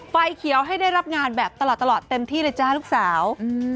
ไฟเขียวให้ได้รับงานแบบตลอดเต็มที่เลยจ้าลูกสาว